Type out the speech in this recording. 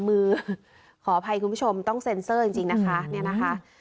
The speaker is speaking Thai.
ขออภัยคุณผู้ชมต้องเซ็นเซอร์จริงนะคะเนี่ยนะคะ